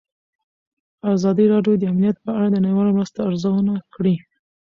ازادي راډیو د امنیت په اړه د نړیوالو مرستو ارزونه کړې.